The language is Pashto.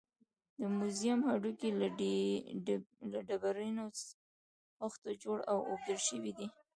د موزیم هډوکي له ډبرینو خښتو جوړ او اوبدل شوي دي.